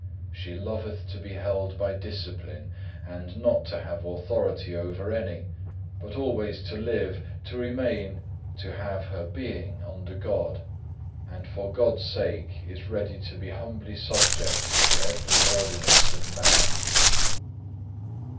She loveth to be held by discipline, and not to have authority over any, but always to live, to remain, to have her being under God, and for God's sake is ready to be humbly subject to every ordinance of man.